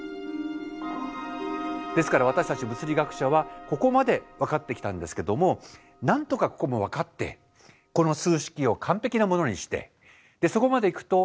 ですから私たち物理学者はここまで分かってきたんですけどもなんとかここも分かってこの数式を完璧なものにしてそこまで行くと